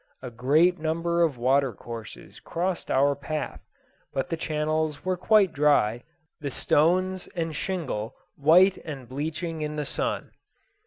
A great number of water courses crossed our path, but the channels were quite dry, the stones and shingle white and bleaching in the sun.